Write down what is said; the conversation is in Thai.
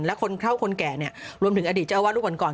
และคนเข้าคนแก่รวมถึงอดีตเจ้าวัดลูกวันก่อน